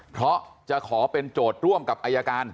เพราะจะขอเป็นโจทย์ร่วมกับอายการ